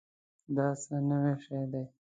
دا څه نوي شی دی؟